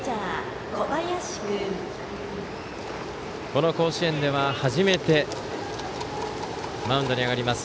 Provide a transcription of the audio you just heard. この甲子園では初めてマウンドに上がります。